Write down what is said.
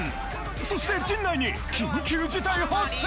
そして陣内に緊急事態発生！？